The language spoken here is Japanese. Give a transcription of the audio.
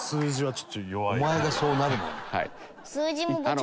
お前がそうなるなよ。